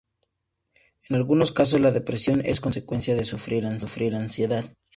En algunos casos la depresión es consecuencia de sufrir ansiedad.